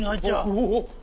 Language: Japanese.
おっ！